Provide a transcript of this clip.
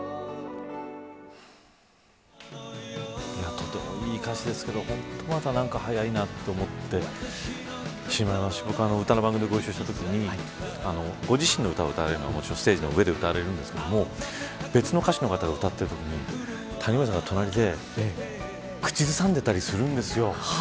とてもいい歌詞ですけど本当に早いなと思ってしまいますし、僕も歌の番組でご一緒したときご自身の歌をステージで歌われますが別の歌手の方が歌ってるときに谷村さんが隣で口ずさんでたりするんですよ。